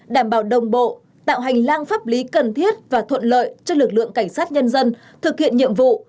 đảm bảo đồng bộ tạo hành lang pháp lý cần thiết và thuận lợi cho lực lượng cảnh sát nhân dân thực hiện nhiệm vụ